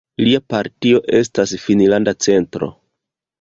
Lia partio estas Finnlanda Centro.